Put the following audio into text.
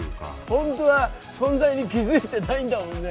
本当は、存在に気付いてないんだもんね。